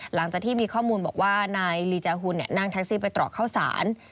หลังจากที่มีข้อมูลบอกว่านายลีจาฮุนนั่งแท็กซี่ไปตรอกเข้าสาร